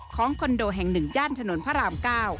คอนโดแห่ง๑ย่านถนนพระราม๙